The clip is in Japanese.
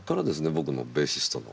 僕のベーシストの。